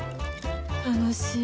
楽しい。